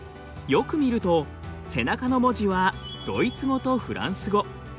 よく見ると背中の文字はドイツ語とフランス語。